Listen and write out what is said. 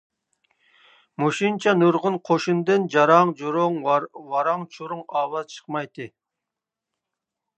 مۇشۇنچە نۇرغۇن قوشۇندىن جاراڭ-جۇرۇڭ، ۋاراڭ-چۇرۇڭ ئاۋاز چىقمايتتى.